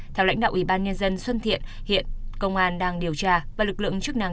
theo lãnh đạo ủy ban nhân dân xuân thiện hiện công an đang điều tra và lực lượng chức năng